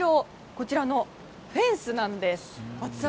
こちらのフェンスなんです。